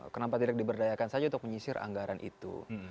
kenapa tidak diberdayakan saja untuk menyisir anggaran itu